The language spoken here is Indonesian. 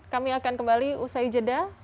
kami akan kembali usai jeda